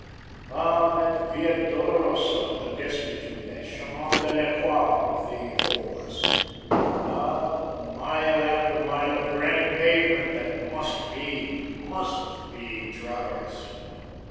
Ah, that via dolorosa of the destitute, that chemin de la croix of the homeless. Ah, the mile after mile of granite pavement that MUST be, MUST be traversed.